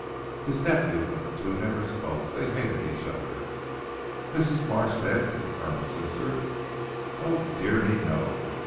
"His nephew. But the two never spoke. They hated each other." "Mrs. Marsh then is the Colonel's sister?" "Oh, dear me no.